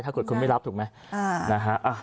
ถ้าเกิดคุณไม่รับถูกไหมนะฮะ